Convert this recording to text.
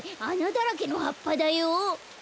あなだらけのはっぱだよ！